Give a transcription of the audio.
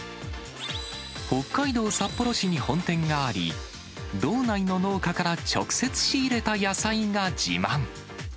北海道札幌市に本店があり、道内の農家から直接仕入れた野菜が自慢。